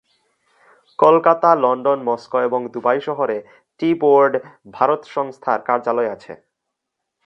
Kolkata, London, Moscow এবং Dubai শহরে টি বোর্ড, ভারত সংস্থার কার্যালয় আছে।